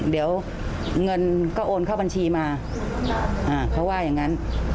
เดี๋ยวเงินก็โอนเข้าบัญชีมาเขาว่าอย่างนั้น